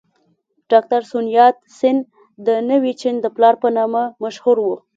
ډاکټر سون یات سن د نوي چین د پلار په نامه مشهور و.